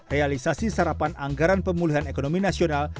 realisasi sarapan anggaran pemulihan ekonomi nasional